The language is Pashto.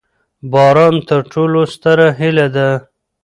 باران تر ټولو ستره هیله ده.